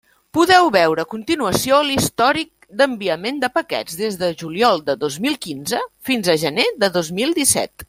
Podeu veure a continuació l'històric d'enviament de paquets des de juliol de dos mil quinze fins a gener de dos mil disset.